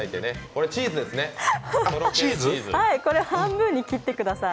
これを半分に切ってください。